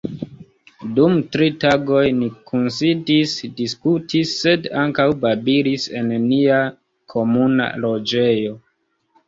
Dum tri tagoj ni kunsidis, diskutis, sed ankaŭ babilis en nia komuna loĝejo.